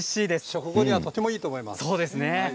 食後にはとてもいいと思います。